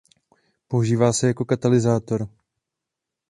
Používá se jako katalyzátor.